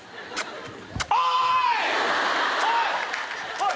おい‼